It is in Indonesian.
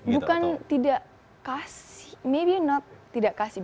bukan tidak kasih may not tidak kasih